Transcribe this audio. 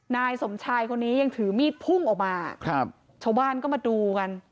นายสมชายคนนี้ยังถือมีดพุ่งออกมาครับชาวบ้านก็มาดูกัน